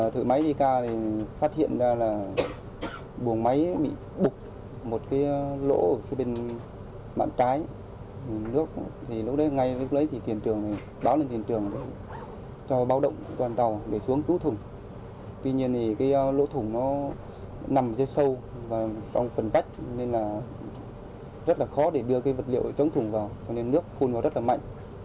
tuy nhiên lỗ thủng nằm dưới sâu trong phần vách nên rất khó đưa vật liệu trống thủng vào nước khôn vào rất mạnh